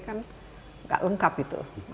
kan tidak lengkap itu